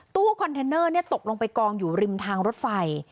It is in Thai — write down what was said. ตู้คอนเทนเนอร์ตกลงไปกองอยู่ริมทางรถไฟ